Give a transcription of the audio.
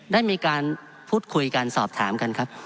ได้มีการพูดคุยกันสอบถามกันครับ